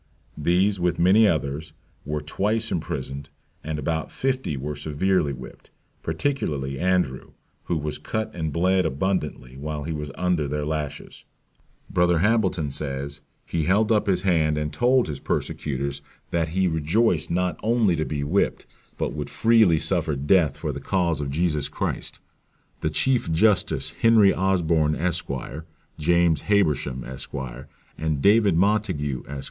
These, with many others, were twice imprisoned, and about fifty were severely whipped, particularly Andrew, who was cut and bled abundantly, while he was under their lashes; Brother Hambleton says, he held up his hand, and told his persecutors that he rejoiced not only to be whipped, but would freely suffer death for the cause of Jesus Christ. "The chief justice Henry Osborne, Esq.; James Habersham, Esq.; and David Montague, Esq.